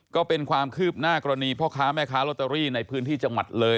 ก็เป็นความคืบหน้ากรณีพ่อค้าแม่ค้าลอตเตอรี่ในพื้นที่จังหวัดเลย